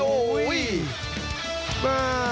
ฮื้ม